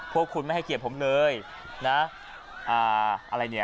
พวกคุณไม่ให้เกียรติผมเลยนะอ่าอะไรเนี่ย